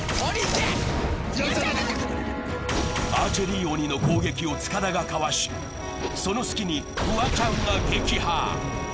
アーチェリー鬼の攻撃を塚田がかわし、その隙にフワちゃんが撃破。